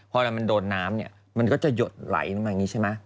พอเวลามันโดนน้ำเนี่ยมันก็จะหยดไหลลงมาอย่างนี้ใช่ไหม